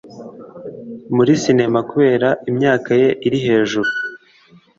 muri sinema kubera imyaka ye iri hejuru.